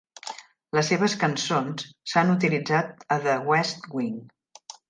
Les seves cançons s"han utilitzat a "The West Wing".